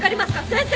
先生。